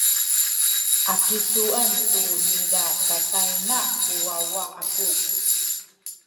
a kisuen tu niza tatayna ku wawa aku.